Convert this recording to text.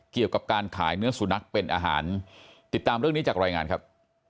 เกี่ยวกับการขายเนื้อสุนัขเป็นอาหารติดตามเรื่องนี้จากรายงานครับ